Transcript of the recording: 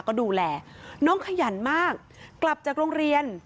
ก็ดูแลน้องขยันมากกลับจากโรงเรียน